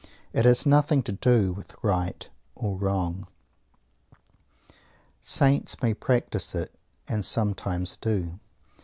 It has nothing to do with "right" or "wrong." Saints may practise it, and sometimes do.